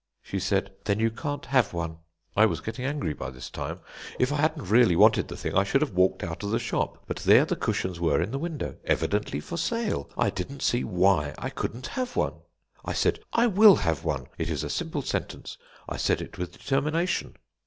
"She said: 'Then you can't have one.' "I was getting angry by this time. If I hadn't really wanted the thing I should have walked out of the shop; but there the cushions were in the window, evidently for sale. I didn't see why I couldn't have one. "I said: 'I will have one!' It is a simple sentence. I said it with determination.